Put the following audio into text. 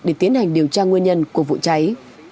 để tiến hành điều tra nguyên nhân của vụ cháy